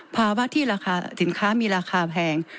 ภาวะที่ราคาสินค้ามีราคาแพง